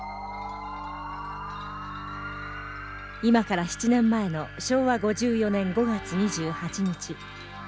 今から７年前の昭和５４年５月２８日。